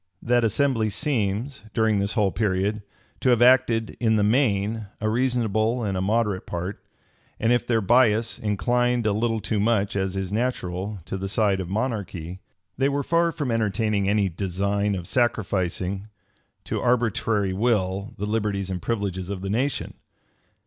That assembly seems, during this whole period, to have acted, in the main, a reasonable and a moderate part; and if their bias inclined a little too much, as is natural, to the side of monarchy, they were far from entertaining any design of sacrificing to arbitrary will the liberties and privileges of the nation.